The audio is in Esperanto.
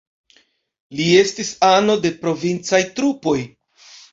Li estis ano de provincaj trupoj.